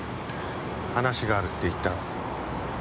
話があるって言ったろ。